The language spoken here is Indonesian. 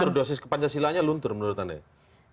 luntur dosis ke pancasila nya luntur menurut anda ya